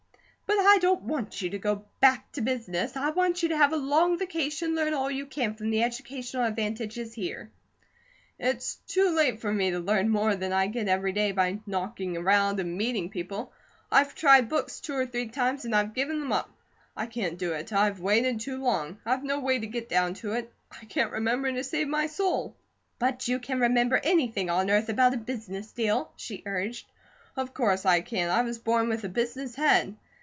"But I don't want you 'to go back to business'; I want you to have a long vacation, and learn all you can from the educational advantages here." "It's too late for me to learn more than I get every day by knocking around and meeting people. I've tried books two or three times, and I've given them up; I can't do it. I've waited too long, I've no way to get down to it, I can't remember to save my soul." "But you can remember anything on earth about a business deal," she urged. "Of course I can. I was born with a business head.